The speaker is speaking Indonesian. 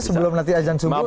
sebelum nanti ajang subuh